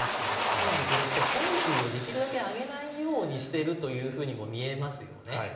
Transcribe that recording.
つまりこれって、本給をできるだけ上げないようにしてるとも見えますよね。